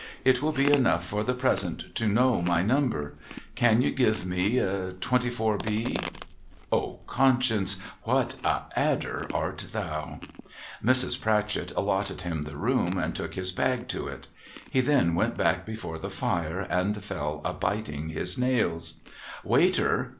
It will be enough for the present to know my number. — Can you give me 24 B?' (O Conscience, what a Adder art thou !) j\Irs. Pratchett allotted him the room, and took his bag to it. He then went back before the fire, and fell a biting his nails. ' Waiter